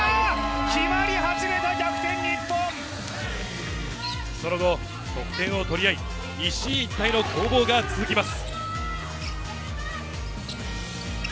決まり始めた、その後、得点を取り合い、一進一退の攻防が続きます。